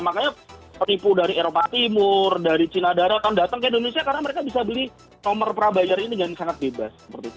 makanya penipu dari eropa timur dari cina darat akan datang ke indonesia karena mereka bisa beli nomor prabayar ini dengan sangat bebas